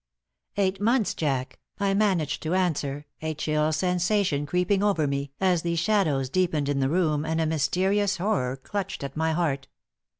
"Eight months, Jack," I managed to answer, a chill sensation creeping over me, as the shadows deepened in the room and a mysterious horror clutched at my heart.